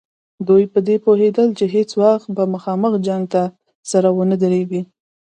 دوی په دې پوهېدل چې هېڅ وخت به مخامخ جنګ ته سره ونه دریږي.